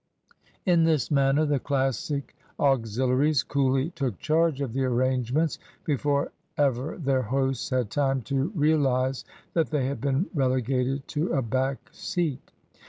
In this manner the Classic auxiliaries coolly took charge of the arrangements before ever their hosts had time to realise that they had been relegated to a back seat.